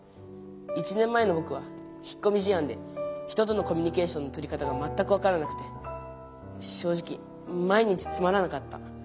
１年前のぼくは引っこみじあんで人とのコミュニケーションのとり方がまったく分からなくて正直毎日つまらなかった。